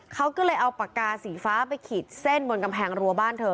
เขาก็เลยเอาปากกาสีฟ้าไปขีดเส้นบนกำแพงรัวบ้านเธอ